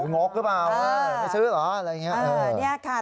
งกหรือเปล่าไม่ซื้อเหรออะไรอย่างนี้